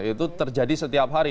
itu terjadi setiap hari